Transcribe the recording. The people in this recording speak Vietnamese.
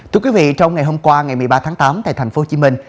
thưa quý vị trong ngày hôm qua ngày một mươi ba tháng tám tại thành phố hồ chí minh